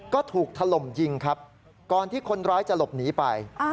ก็ถูกถล่มยิงครับก่อนที่คนร้ายจะหลบหนีไป